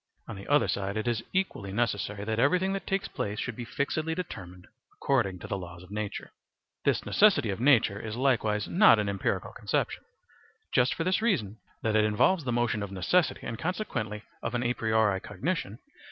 On the other side it is equally necessary that everything that takes place should be fixedly determined according to laws of nature. This necessity of nature is likewise not an empirical conception, just for this reason, that it involves the motion of necessity and consequently of a priori cognition.